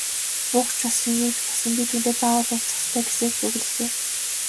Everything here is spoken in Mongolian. Буг ч болсон, юу ч болсон би түүнтэй заавал уулзах ёстой гэсээр зүглэлээ.